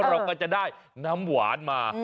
เราก็จะได้น้ำหวานมา